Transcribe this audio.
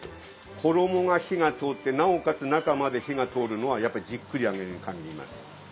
衣が火が通ってなおかつ中まで火が通るのはやっぱりじっくり揚げるにかぎります。